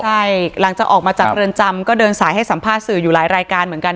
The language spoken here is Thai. ใช่หลังจากออกมาจากเรือนจำก็เดินสายให้สัมภาษณ์สื่ออยู่หลายรายการเหมือนกัน